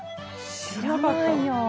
知らないよ。